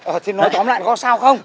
ờ thì nói tóm lại có sao không